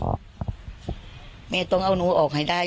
สงสันหนูเนี่ยว่าสงสันหนูเนี่ยมีกระทิแววออกได้จังไหน